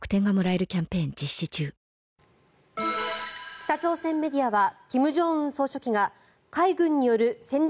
北朝鮮メディアは金正恩総書記が海軍による戦略